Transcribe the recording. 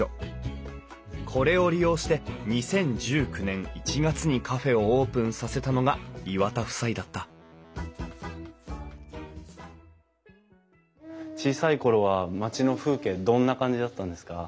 これを利用して２０１９年１月にカフェをオープンさせたのが岩田夫妻だった小さい頃は町の風景どんな感じだったんですか？